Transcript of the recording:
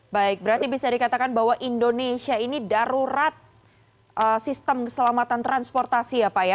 baik berarti bisa dikatakan bahwa indonesia ini darurat sistem keselamatan transportasi ya pak ya